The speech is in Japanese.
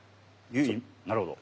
なるほど。